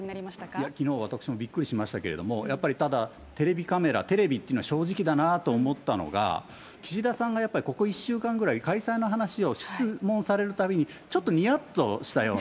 私もきのうはびっくりしましたけれども、やっぱりただ、テレビカメラ、テレビっていうのは正直だなと思ったのが、岸田さんがやっぱりここ１週間ぐらい、解散の話を質問されるたびに、ちょっありました。